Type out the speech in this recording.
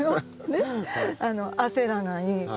焦らない。